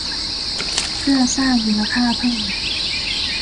เพื่อสร้างมูลค่าเพิ่ม